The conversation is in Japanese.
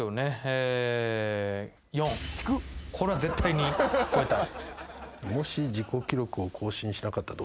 これは絶対に超えたい。